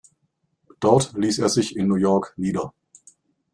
Dort ließ er sich in New York nieder.